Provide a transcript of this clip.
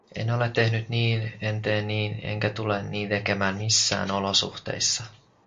En ole tehnyt niin, en tee niin enkä tule niin tekemään missään olosuhteissa.